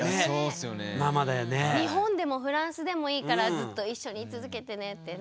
日本でもフランスでもいいからずっと一緒に居続けてねってね。